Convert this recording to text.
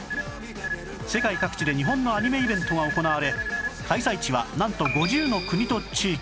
世界各地で日本のアニメイベントが行われ開催地はなんと５０の国と地域に